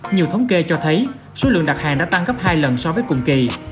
nhiều thống kê cho thấy số lượng đặt hàng đã tăng gấp hai lần so với tối nay